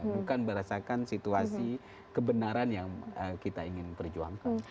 bukan berdasarkan situasi kebenaran yang kita ingin perjuangkan